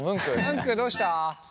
ムンクどうした？